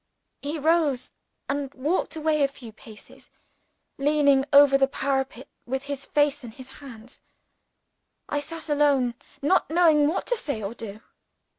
He rose, and walked away a few paces, leaning over the parapet with his face in his hands. I sat alone, not knowing what to say or do.